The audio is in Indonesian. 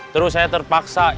terus saya terpaksa